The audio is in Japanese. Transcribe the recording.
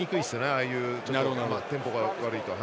ああいうテンポが悪いと。